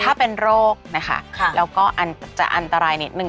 ถ้าเป็นโรคนะคะแล้วก็จะอันตรายนิดนึง